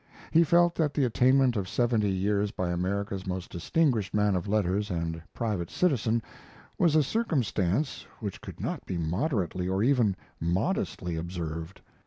He felt that the attainment of seventy years by America's most distinguished man of letters and private citizen was a circumstance which could not be moderately or even modestly observed.